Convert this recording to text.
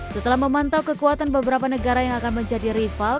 setelah memantau kekuatan beberapa negara yang akan menjadi rival